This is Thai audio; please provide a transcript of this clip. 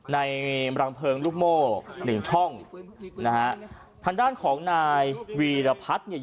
รังเพลิงลูกโม่หนึ่งช่องนะฮะทางด้านของนายวีรพัฒน์เนี่ย